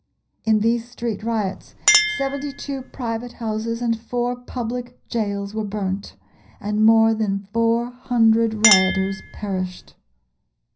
In these street riots seventy two private houses and four public gaols were burnt, and more than four hundred rioters perished.